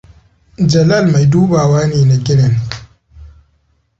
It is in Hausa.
Jalal mai dubawa ne na ginin.